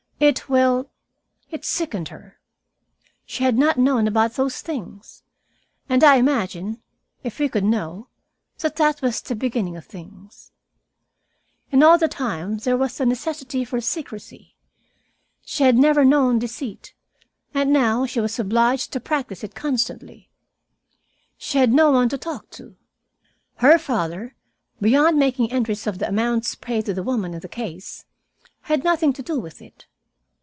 It well, it sickened her. She had not known about those things. And I imagine, if we could know, that that was the beginning of things. "And all the time there was the necessity for secrecy. She had never known deceit, and now she was obliged to practice it constantly. She had no one to talk to. Her father, beyond making entries of the amounts paid to the woman in the case, had nothing to do with it.